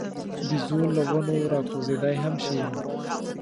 بیزو له ونو راکوزېدای هم شي.